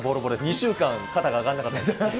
２週間、肩が上がらなかったです。